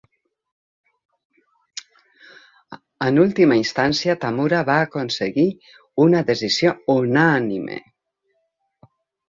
En última instància, Tamura va aconseguir una decisió unànime..